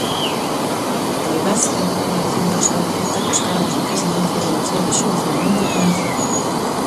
Roibás ten unha relación persoal directa cos cargos de Presidencia denunciados xudicialmente por Antelo.